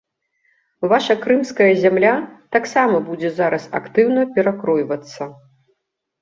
Ваша крымская зямля таксама будзе зараз актыўна перакройвацца.